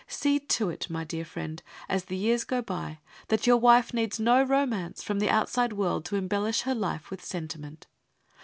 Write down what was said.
See to it, my dear friend, as the years go by, that your wife needs no romance from the outside world to embellish her life with sentiment.